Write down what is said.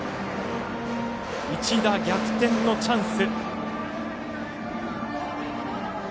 １打逆転のチャンス。